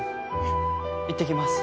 いってきます。